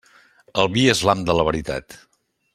El vi és l'ham de la veritat.